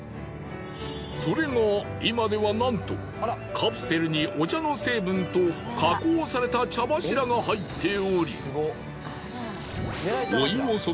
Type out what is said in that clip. それが今ではなんとカプセルにお茶の成分と加工された茶柱が入っており。